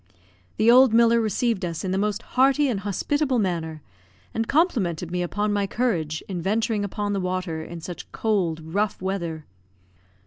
The old miller received us in the most hearty and hospitable manner; and complimented me upon my courage in venturing upon the water in such cold, rough weather.